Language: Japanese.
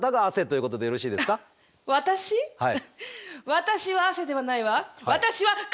私は汗ではないわ。